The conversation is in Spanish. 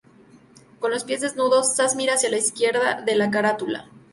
Con los pies desnudos, Zaz mira hacia la izquierda de la carátula.